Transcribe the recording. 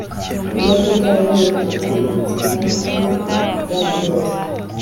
imodoka yavuye kubutegetsi maze ijya mu ruzi